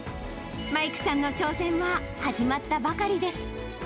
マイクさんの挑戦は始まったばかりです。